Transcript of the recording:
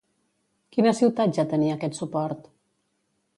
Quina ciutat ja tenia aquest suport?